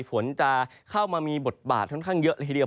ฝนจะเข้ามามีบดบาดเยอะหลายทีเดียว